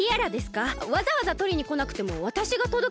わざわざとりにこなくてもわたしがとどけたのに。